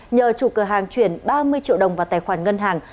nhờ chủ cửa hàng chuyển ba mươi triệu đồng vào tài khoản ngân hàng